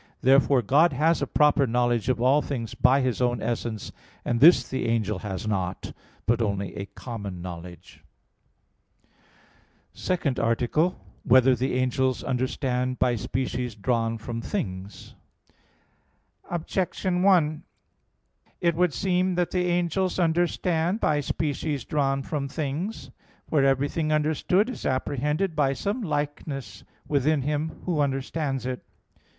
Therefore God has a proper knowledge of all things by His own essence: and this the angel has not, but only a common knowledge. _______________________ SECOND ARTICLE [I, Q. 55, Art. 2] Whether the Angels Understand by Species Drawn from Things? Objection 1: It would seem that the angels understand by species drawn from things. For everything understood is apprehended by some likeness within him who understands it.